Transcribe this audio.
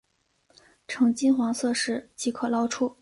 呈金黄色时即可捞出。